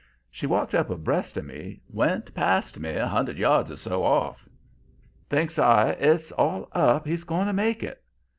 She walked up abreast of me, went past me, a hundred yards or so off. Thinks I: 'It's all up. He's going to make it.'